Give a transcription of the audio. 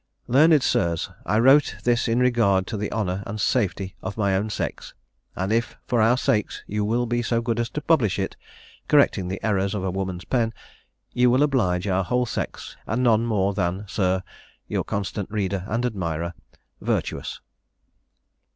Learned sirs, I wrote this in regard to the honour and safety of my own sex: and if for our sakes you will be so good as to publish it, correcting the errors of a woman's pen, you will oblige our whole sex, and none more than, sir, "Your constant reader and admirer, "VIRTUOUS."